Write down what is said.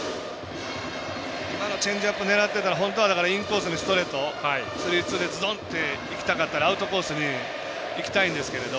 今のチェンジアップ狙ってたら本当は、インコースにストレートスリーツーでズドンっていきたかったんですがアウトコースにいきたいんですけど